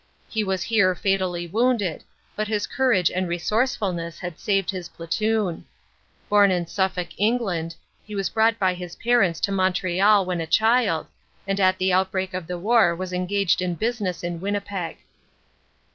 He was here fatally wounded, but his courage and resourcefulness had saved his platoon. Born in Suffolk, England, he was brought by his parents to Montreal when a child, and at the outbreak of the war was engaged in business in Winnipeg.